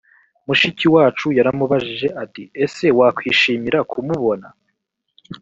mushiki wacu yaramubajije ati ese wakwishimira kumubona